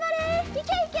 いけいけ！